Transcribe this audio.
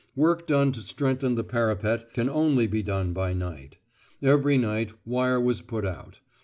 Work done to strengthen the parapet can only be done by night. Every night wire was put out.